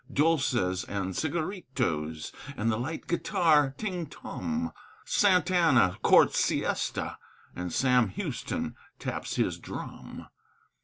Dulces and cigaritos, And the light guitar, ting tum! Sant' Anna courts siesta And Sam Houston taps his drum.